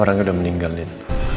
orangnya udah meninggal din